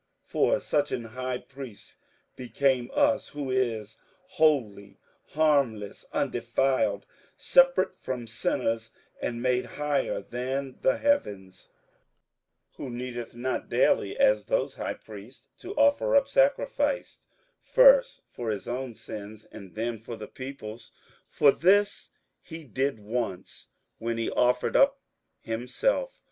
58:007:026 For such an high priest became us, who is holy, harmless, undefiled, separate from sinners, and made higher than the heavens; 58:007:027 Who needeth not daily, as those high priests, to offer up sacrifice, first for his own sins, and then for the people's: for this he did once, when he offered up himself.